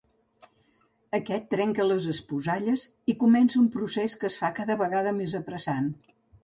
Aquest trenca les esposalles i comença un procés que es fa cada vegada més apressant.